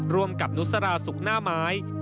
ร่วมกับนุษราศุกร์หน้าไม้